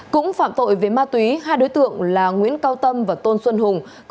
cũng phạm tội về ma túy hai đối tượng là nguyễn cao tâm và tôn xuân hùng